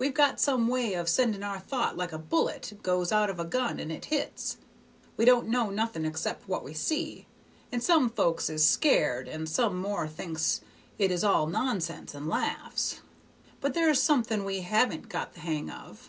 We've got some way of sending our thought like a bullet goes out of a gun and it hits. We don't know nothing except what we see. And some folks is scared, and some more thinks it is all nonsense and laughs. But there's something we haven't got the hang of.'